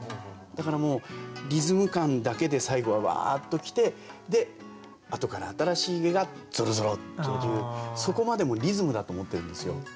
だからもうリズム感だけで最後はわっと来てで「あとから新しいひげがぞろぞろ」っていうそこまでもリズムだと思ってるんですよ。